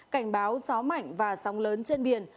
cảnh báo gió mạnh và sóng lớn trên biển